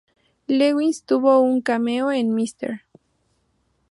Lewis tuvo un cameo en "Mr.